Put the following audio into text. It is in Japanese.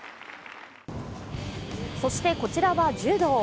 そして、こちらは柔道。